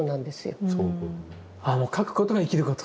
描くことが生きること。